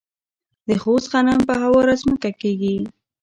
د خوست غنم په هواره ځمکه کیږي.